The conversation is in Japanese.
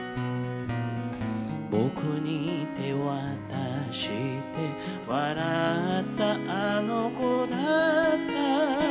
「僕に手渡して笑ったあの子だった」